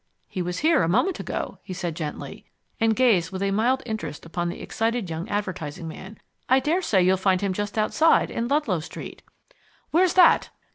"He was here a moment ago," he said gently, and gazed with a mild interest upon the excited young advertising man. "I daresay you'll find him just outside, in Ludlow Street." "Where's that?"